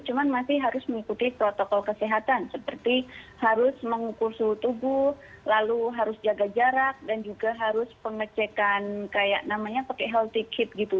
cuma masih harus mengikuti protokol kesehatan seperti harus mengukur suhu tubuh lalu harus jaga jarak dan juga harus pengecekan kayak namanya pakai healthy kit gitu